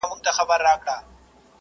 که وخت وي، ونې ته اوبه ورکوم.